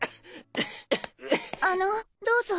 あのどうぞ。